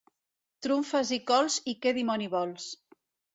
Trumfes i cols i què dimoni vols!